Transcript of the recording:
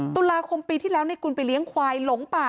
ตุลาคมปีที่แล้วในกุลไปเลี้ยงควายหลงป่า